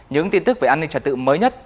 những tin tức về an ninh trật tự mới nhất